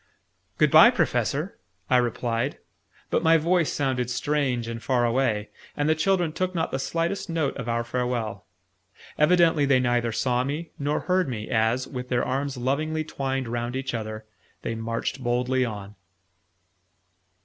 "Good bye, Professor!" I replied: but my voice sounded strange and far away, and the children took not the slightest notice of our farewell. Evidently they neither saw me nor heard me, as, with their arms lovingly twined round each other, they marched boldly on.